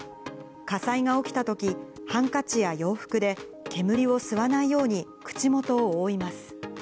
火災が起きたとき、ハンカチや洋服で、煙を吸わないように口元を覆います。